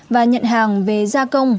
và nhận hàng về gia công